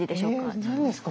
何ですか？